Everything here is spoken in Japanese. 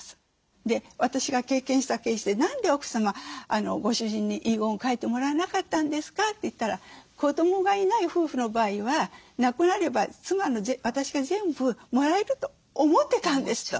私が経験したケースで「何で奥様ご主人に遺言書いてもらわなかったんですか？」といったら「子どもがいない夫婦の場合は亡くなれば妻の私が全部もらえると思ってたんです」と。